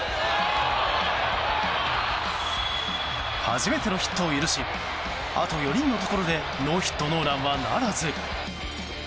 初めてのヒットを許しあと４人のところでノーヒットノーランはならず。